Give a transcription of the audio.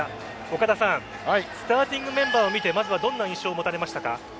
岡田さんスターティングメンバーを見てまずはどんな印象を持たれましたか？